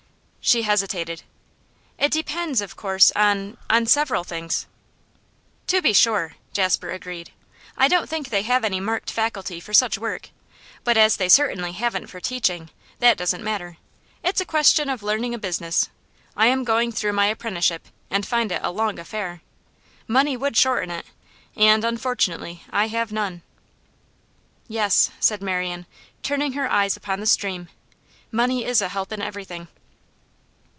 She hesitated. 'It depends, of course, on on several things.' 'To be sure,' Jasper agreed. 'I don't think they have any marked faculty for such work; but as they certainly haven't for teaching, that doesn't matter. It's a question of learning a business. I am going through my apprenticeship, and find it a long affair. Money would shorten it, and, unfortunately, I have none.' 'Yes,' said Marian, turning her eyes upon the stream, 'money is a help in everything.